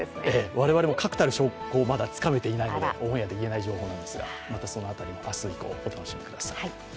我々も確たる証拠をつかめていないのでオンエアできない情報なんですがまたその辺りも明日以降お楽しみください。